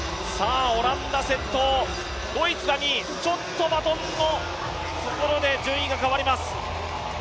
オランダ先頭、ドイツが２位、ちょっとバトンのところで順位がかわります。